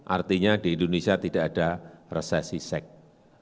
artinya di indonesia tidak ada resesi seks